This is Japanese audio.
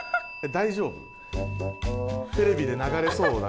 大丈夫？